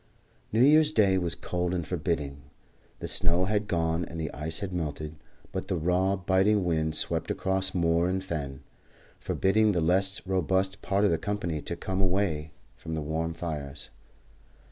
New Year's Day was cold and forbidding. The snow had gone and the ice had melted; but the raw, biting wind swept across moor and fen, forbidding the less robust part of the company to come away from the warm fires.